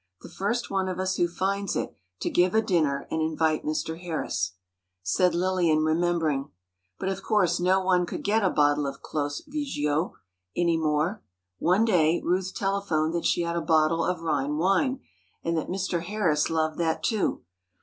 The first one of us who finds it, to give a dinner, and invite Mr. Harris." Said Lillian, remembering: "But of course no one could get a bottle of Clos Veugeot, any more. One day, Ruth telephoned that she had a bottle of Rhine wine, and that Mr. Harris loved that, too.